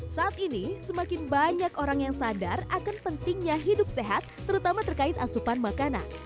saat ini semakin banyak orang yang sadar akan pentingnya hidup sehat terutama terkait asupan makanan